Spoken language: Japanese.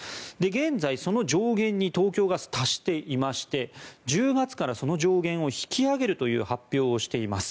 現在、その上限に東京ガス、達していまして１０月からその上限を引き上げるという発表をしています。